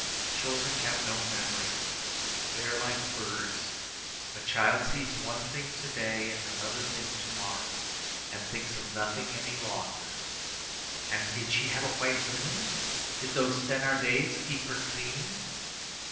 Children have no memories. They are like birds. A child sees one thing to day and another thing to morrow, and thinks of nothing any longer. And did she have white linen? Did those Thénardiers keep her clean?